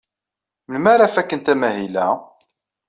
Melmi ara fakent amahil-a?